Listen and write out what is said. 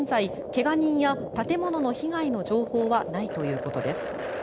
怪我人や建物の被害の情報はないということです。